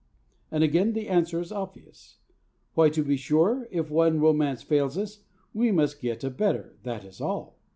And again the answer is obvious. Why, to be sure, if one romance fails us, we must get a better, that is all!